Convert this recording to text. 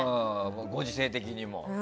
ご時世的にも。